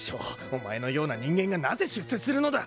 お前のような人間がなぜ出世するのだ？